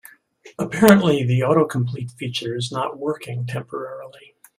Apparently, the autocomplete feature is not working temporarily.